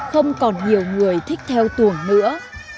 không còn nhiều người thích theo tuồng nữa